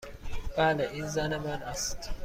بله. این زن من است.